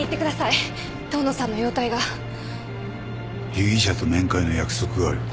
被疑者と面会の約束がある。